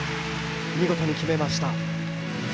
見事に決めました。